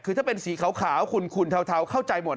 คือถ้าเป็นสีขาวขุนเทาเข้าใจหมด